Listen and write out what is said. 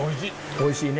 おいしいね。